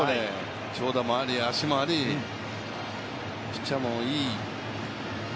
長打もあり、足もあり、ピッチャーもいい。